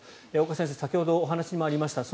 岡先生、先ほどお話にもありました